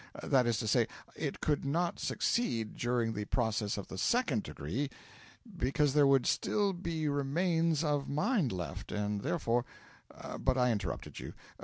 That is to say, it could not succeed during the process of the Second Degree, because there would still be remains of mind left; and therefore but I interrupted you.